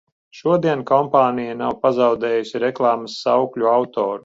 Šodien kompānija nav pazaudējusi reklāmas saukļu autoru.